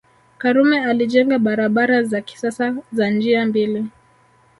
Karume alijenga barabara za kisasa za njia mbili